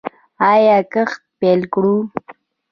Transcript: آیا کښت پیل کړو؟